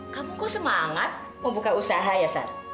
kamu kok semangat membuka usaha ya sar